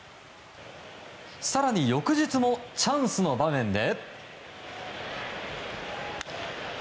更に、翌日もチャンスの場面で。